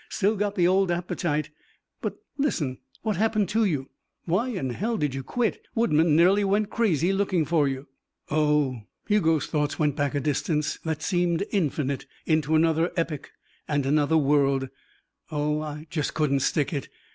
Still got the old appetite. But listen what happened to you? Why in hell did you quit? Woodman nearly went crazy looking for you." "Oh " Hugo's thoughts went back a distance that seemed infinite, into another epoch and another world "oh, I just couldn't stick it.